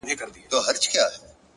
هره پرېکړه راتلونکی جوړوي!